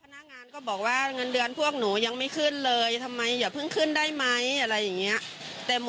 ดูไปก่อนแล้วว่าอะไรค่อยว่ากันอีกทีอะไรอย่างนี้ค่ะ